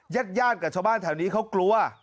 ยัดย่านกับชาวบ้านแถวนี้เขากลัว